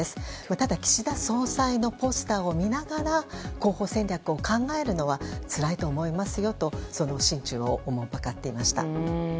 ただ岸田総裁のポスターを見ながら広報戦略を考えるのはつらいと思いますよとその心中をおもんぱかっていました。